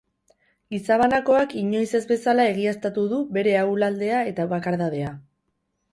Gizabanakoak inoiz ez bezala egiaztatu du bere ahuldadea eta bakardadea.